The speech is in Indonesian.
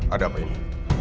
ada apa ini